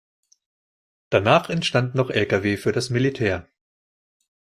Danach entstanden noch Lkw für das Militär.